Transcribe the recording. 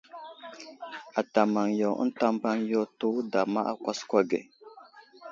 Ata maŋ yo ənta mbaŋ yo tewuda ma á kwaskwa ge.